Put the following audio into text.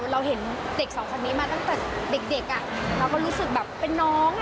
เราเห็นเด็กสองคนนี้มาตั้งแต่เด็กเราก็รู้สึกแบบเป็นน้อง